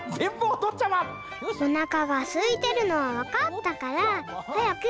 ・おなかがすいてるのはわかったからはやく。